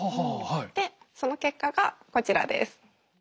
でその結果がこちらです。